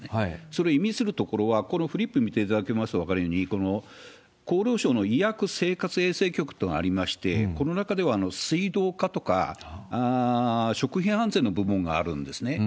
それ、意味するところは、このフリップ見ていただきますと分かるように、厚労省の医薬生活衛生局ってありまして、この中では、水道課とか食品安全の部門があるんですね。